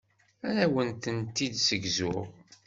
Ad awen-t-id-ssegzuɣ.